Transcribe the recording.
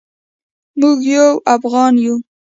موږ یو افغان یو